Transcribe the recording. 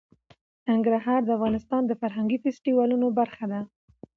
ننګرهار د افغانستان د فرهنګي فستیوالونو برخه ده.